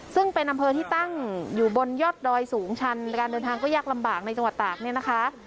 ซึ่งเป็นอำเภอที่ตั้งอยู่บนยอดดอยสูงชันการเดินทางก็ยากลำบากในจังหวัดตากเนี่ยนะคะ